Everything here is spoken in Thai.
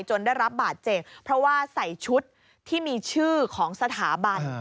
ได้รับบาดเจ็บเพราะว่าใส่ชุดที่มีชื่อของสถาบัน